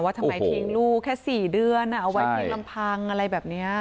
ทำไมทิ้งลูกแค่๔เดือนเอาไว้เพียงลำพังอะไรแบบนี้